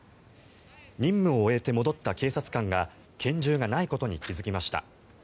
任務を終えて戻った警察官が拳銃がないことに気付きました。